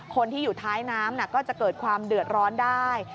คนที่อยู่ท้ายน้ำก็จะเกิดความเดือดร้อนได้